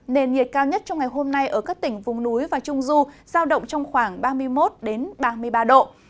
nền nhiệt cao nhất trong ngày hôm nay ở các tỉnh vùng núi và trung du giao động trong khoảng ba mươi một ba mươi ba độ